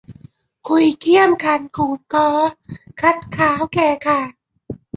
คุยเคี่ยมคันคูนค้อ คัดค้าวแคคาง